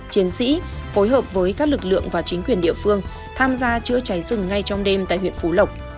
chiến sĩ phối hợp với các lực lượng và chính quyền địa phương tham gia chữa cháy rừng ngay trong đêm tại huyện phú lộc